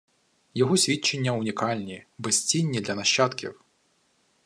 Його свідчення унікальні, безцінні для нащадків